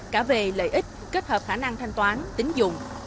cả về lợi ích kết hợp khả năng thanh toán tính dụng